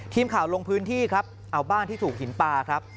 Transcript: ทีมข่าวลงพื้นที่ครับเอาบ้านที่ถูกหินปลาครับ